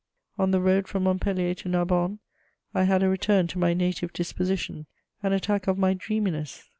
On the road from Montpellier to Narbonne, I had a return to my native disposition, an attack of my dreaminess.